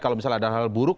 kalau misalnya ada hal buruk